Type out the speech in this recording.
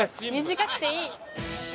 短くていい。